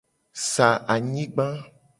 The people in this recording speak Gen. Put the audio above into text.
Sa anyigba.